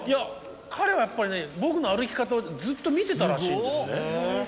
彼はやっぱりね僕の歩き方をずっと見てたらしいんですね。